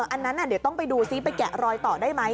อันนั้นเดี๋ยวต้องไปดูซิไปแกะรอยต่อได้ไหม